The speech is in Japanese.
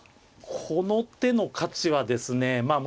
この手の価値はですねまあ